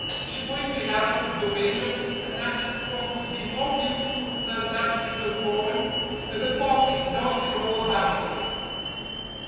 She pointed out of the win dow and asked what could be more beautiful than that field of corn with the poppies dotted all about it?